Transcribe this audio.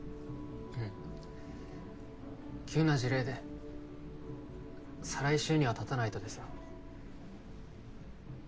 うん急な辞令で再来週にはたたないとでさ。